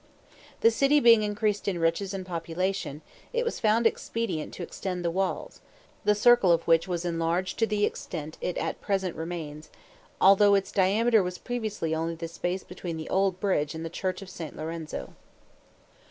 The city being increased in riches and population, it was found expedient to extend the walls, the circle of which was enlarged to the extent it at present remains, although its diameter was previously only the space between the old bridge and the church of St. Lorenzo.